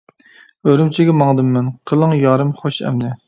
ئۈرۈمچىگە ماڭدىم مەن، قېلىڭ يارىم خوش ئەمدى.